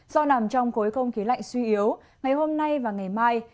do nằm trong khối không khí lạnh suy yếu ngày hôm nay và ngày mai